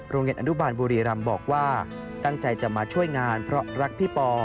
โรงเรียนอนุบาลบุรีรัมย์บอกว่าตั้งใจจะมาช่วยงานเพราะรักพี่ป๊อ